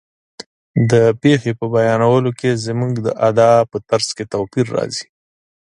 د پېښې په بیانولو کې زموږ د ادا په طرز کې توپیر راځي.